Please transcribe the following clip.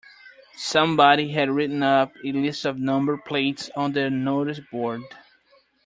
Somebody had written up a list of number plates on the noticeboard